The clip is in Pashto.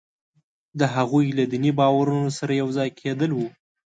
د هغوی له دیني باورونو سره یو ځای کېدلو وو.